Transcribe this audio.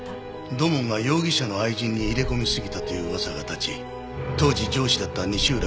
土門が容疑者の愛人に入れ込みすぎたという噂が立ち当時上司だった西浦